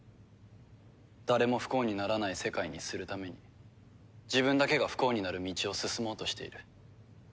誰も不幸にならない世界にするために自分だけが不幸になる道を進もうとしている。